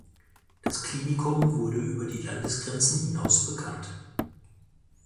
Das Klinikum wurde über die Landesgrenzen hinaus bekannt.